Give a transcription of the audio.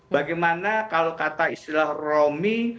bagaimana kalau kata istilah romi